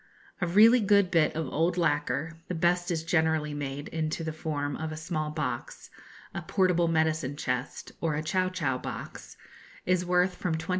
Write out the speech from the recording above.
A really good bit of old lacquer (the best is generally made into the form of a small box, a portable medicine chest, or a chow chow box) is worth from 20_l_.